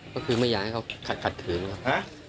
ก็คือไม่อยากให้เขาขัดขืนครับ